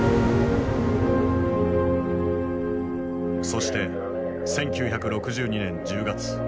そして１９６２年１０月。